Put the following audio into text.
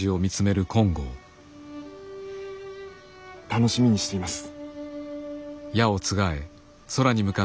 楽しみにしています。